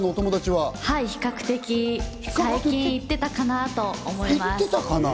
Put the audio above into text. はい、比較的最近いってたかなと思います。